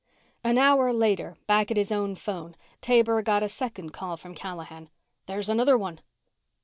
An hour later, back at his own phone, Taber got a second call from Callahan. "There's another one."